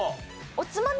おつまみ。